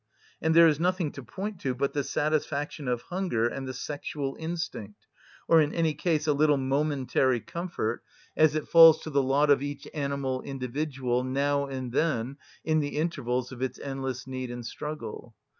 And there is nothing to point to but the satisfaction of hunger and the sexual instinct, or in any case a little momentary comfort, as it falls to the lot of each animal individual, now and then in the intervals of its endless need and struggle.